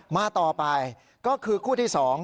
มาต่อไปก็คือคู่ที่๒